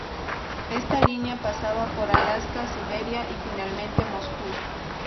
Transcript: Esta línea pasaba por Alaska, Siberia y finalmente Moscú.